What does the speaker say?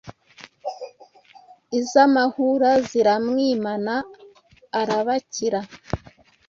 Iz’amahura ziramwimana arabakira